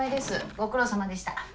ご苦労さまでした。